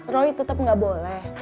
roy tetep gak boleh